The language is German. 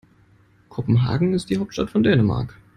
Kopenhagen ist die Hauptstadt von Dänemark.